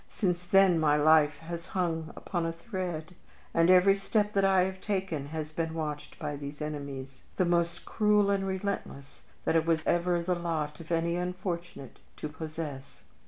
Since then my life has hung upon a thread, and every step that I have taken has been watched by these enemies, the most cruel and relentless that it was ever the lot of any unfortunate to possess.